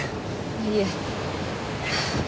いえ。